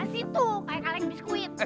kasih tuh kayak kaleng biskuit